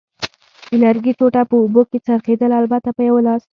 د لرګي ټوټه په اوبو کې څرخېدل، البته په یوه لاس.